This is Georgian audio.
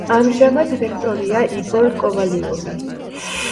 ამჟამად რექტორია იგორ კოვალიოვი.